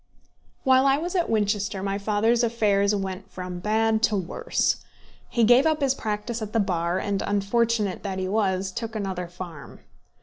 While I was at Winchester my father's affairs went from bad to worse. He gave up his practice at the bar, and, unfortunate that he was, took another farm.